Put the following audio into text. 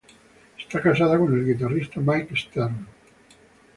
Está casada con el guitarrista Mike Stern.